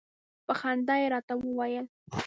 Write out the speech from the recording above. په خندا يې راته وویل.